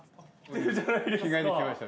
着替えてきました。